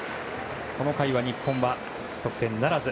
この回は日本は得点ならず。